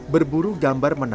berburu gambar menangis